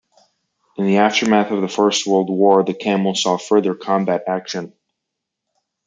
In the aftermath of the First World War, the Camel saw further combat action.